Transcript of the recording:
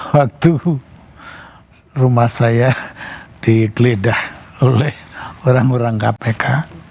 waktu rumah saya digeledah oleh orang orang kpk